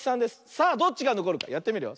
さあどっちがのこるかやってみるよ。